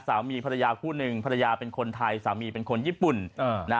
สามีภรรยาคู่หนึ่งภรรยาเป็นคนไทยสามีเป็นคนญี่ปุ่น